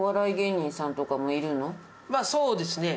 まあそうですね。